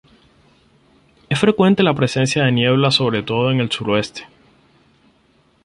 Es frecuente la presencia de niebla sobre todo en el suroeste.